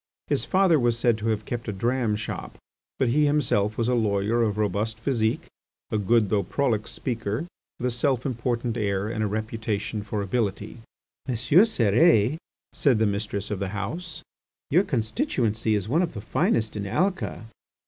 His father was said to have kept a dram shop, but he himself was a lawyer of robust physique, a good though prolix speaker, with a self important air and a reputation for ability. "M. Cérès," said the mistress of the house, "your constituency is one of the finest in Alca."